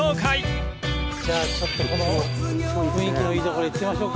じゃあちょっとこの雰囲気のいい所行きましょうか。